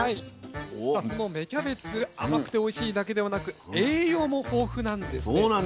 キャベツ甘くておいしいだけではなく栄養も豊富なんですね。